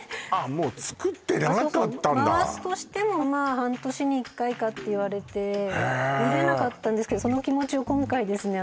そうそう回すとしてもまあ半年に１回かって言われてへえ見れなかったんですけどその気持ちを今回ですね